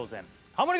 ハモリ